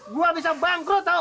gua bisa bangkrut tau